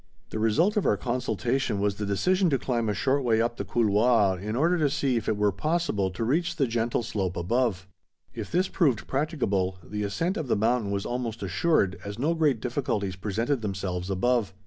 The result of our consultation was the decision to climb a short way up the couloir in order to see if it were possible to reach the gentle slope above. If this proved practicable, the ascent of the mountain was almost assured, as no great difficulties presented themselves above.